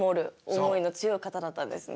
思いの強い方だったんですね。